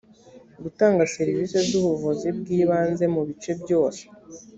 gutanga serivisi z ubuvuzi bw ibanze mu bice byose